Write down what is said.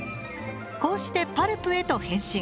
こうしてパルプへと変身。